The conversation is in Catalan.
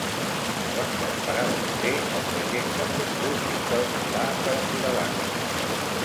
Quantes parades té el trajecte en autobús fins al Pilar de la Foradada?